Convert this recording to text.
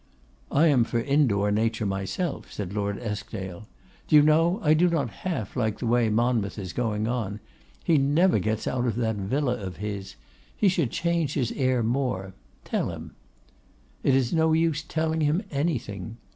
'I am for in door nature myself,' said Lord Eskdale. 'Do you know, I do not half like the way Monmouth is going on? He never gets out of that villa of his. He should change his air more. Tell him.' 'It is no use telling him anything.